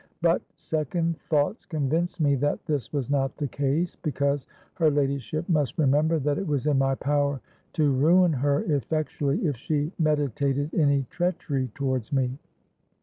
But second thoughts convinced me that this was not the case; because her ladyship must remember that it was in my power to ruin her effectually if she meditated any treachery towards me.